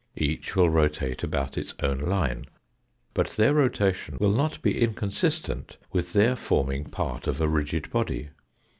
Each will rotate about its own line, but their rotation will not be inconsistent with their form ing part of a rigid body.